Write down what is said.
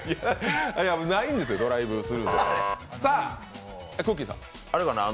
ないんですよドライブスルーじゃない。